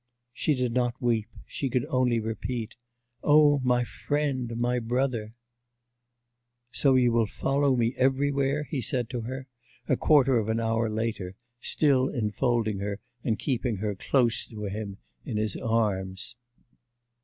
She did not weep; she could only repeat, 'O my friend, my brother!' 'So you will follow me everywhere?' he said to her, a quarter of an hour later, still enfolding her and keeping her close to him in his arms.